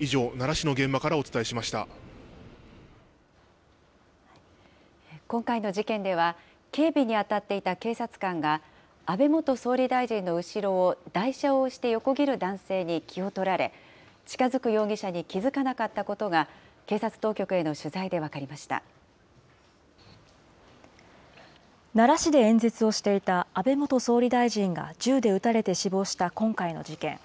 以上、奈良市の現場からお伝えし今回の事件では、警備に当たっていた警察官が、安倍元総理大臣の後ろを台車を押して横切る男性に気を取られ、近づく容疑者に気付かなかったことが、警察当局への取材で分かり奈良市で演説をしていた安倍元総理大臣が銃で撃たれて死亡した今回の事件。